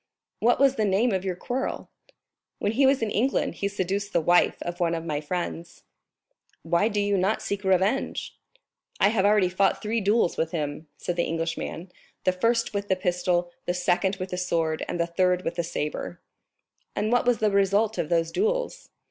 "What was the cause of your quarrel?" "When he was in England he seduced the wife of one of my friends." "Why do you not seek revenge?" "I have already fought three duels with him," said the Englishman, "the first with the pistol, the second with the sword, and the third with the sabre." "And what was the result of those duels?"